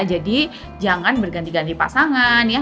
jadi jangan berganti ganti pasangan ya